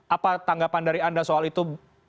apa tanggapan dari anda soal itu